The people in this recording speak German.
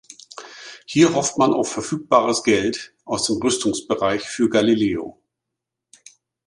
Hier hofft man auf verfügbares Geld aus dem Rüstungsbereich für Galileo.